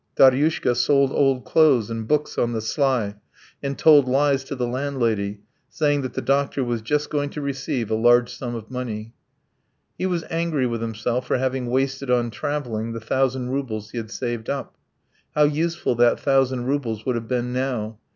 Daryushka sold old clothes and books on the sly, and told lies to the landlady, saying that the doctor was just going to receive a large sum of money. He was angry with himself for having wasted on travelling the thousand roubles he had saved up. How useful that thousand roubles would have been now!